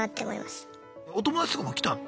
お友達とかも来たの？